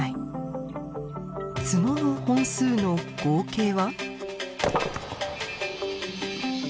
角の本数の合計は？